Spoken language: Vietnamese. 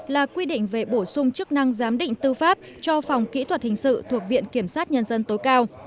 là quy định về bổ sung chức năng giám định tư pháp cho phòng kỹ thuật hình sự thuộc viện kiểm sát nhân dân tối cao